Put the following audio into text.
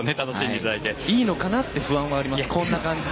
いいのかなという不安はあります。